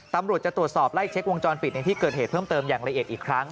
ตำรวจจะตรวจสอบไล่เช็ควงจรปิดในที่เกิดเหตุเพิ่มเติมอย่างละเอียดอีกครั้ง